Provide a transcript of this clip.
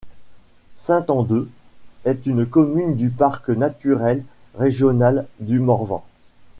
Saint-Andeux est une commune du Parc naturel régional du Morvan.